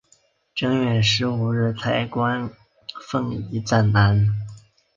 正月十五日彩棺奉移暂安。